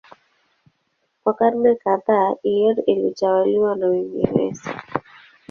Kwa karne kadhaa Eire ilitawaliwa na Uingereza.